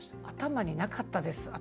頭になかったです。